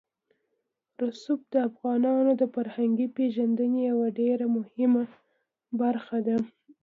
رسوب د افغانانو د فرهنګي پیژندنې یوه ډېره مهمه برخه ده.